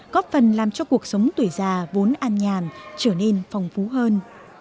góp phần làm cho cuộc sống tuổi già vốn an nhàn trở nên phong phú hơn